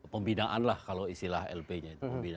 pembinaan lah kalau istilah lp nya itu